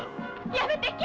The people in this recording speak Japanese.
やめて健！